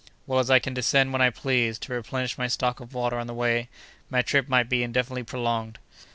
"Well, as I can descend when I please, to replenish my stock of water on the way, my trip might be indefinitely prolonged.